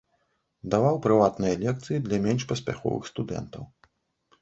Даваў прыватныя лекцыі для менш паспяховых студэнтаў.